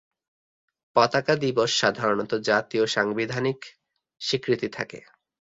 পতাকা দিবস সাধারণতঃ জাতীয় সাংবিধানিক স্বীকৃতি থাকে।